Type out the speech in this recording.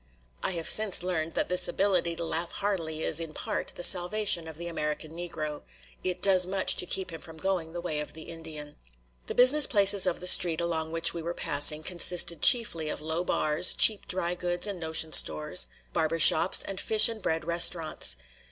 I have since learned that this ability to laugh heartily is, in part, the salvation of the American Negro; it does much to keep him from going the way of the Indian. The business places of the street along which we were passing consisted chiefly of low bars, cheap dry goods and notion stores, barber shops, and fish and bread restaurants.